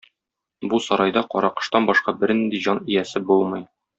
Бу сарайда Каракоштан башка бернинди җан иясе булмый.